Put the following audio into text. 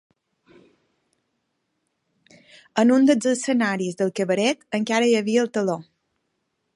En un dels escenaris del cabaret encara hi havia el teló